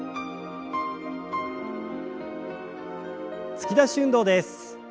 突き出し運動です。